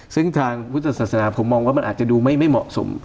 ซึ่งทางพุทธศาสนาผมมองว่ามันอาจจะดูไม่เหมาะสม